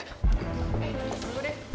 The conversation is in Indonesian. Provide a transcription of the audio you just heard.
eh tunggu deh